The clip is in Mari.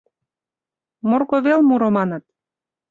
Морко вел муро, маныт.